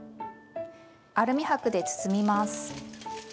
アルミ箔で包みます。